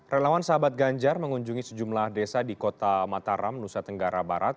relawan sahabat ganjar mengunjungi sejumlah desa di kota mataram nusa tenggara barat